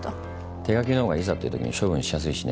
手書きのほうがいざっていうときに処分しやすいしね。